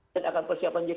dan akan persiapkan jika